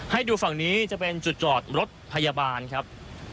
ให้ดูฝั่งนี้จะเป็นจุดจอดรถพยาบาลครับ